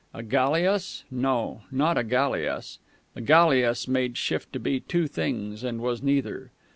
A galliasse? No, not a galliasse. The galliasse made shift to be two things, and was neither.